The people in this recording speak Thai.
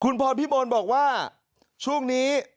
คุณพรพิมลบอกว่าช่วงนี้